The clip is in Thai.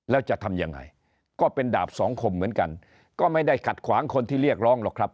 แล้วจะทำยังไงก็เป็นดาบสองคมเหมือนกันก็ไม่ได้ขัดขวางคนที่เรียกร้องหรอกครับ